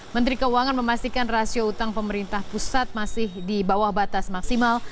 menteri keuangan memastikan rasio utang pemerintah pusat masih di bawah batas maksimal